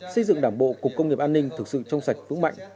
xây dựng đảng bộ cục công nghiệp an ninh thực sự trong sạch vững mạnh